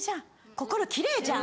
心キレイじゃん。